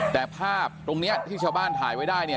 แต่ภาพตรงนี้ที่ชาวบ้านถ่ายไว้ได้เนี่ย